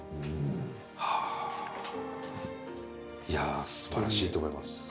いやすばらしいと思います。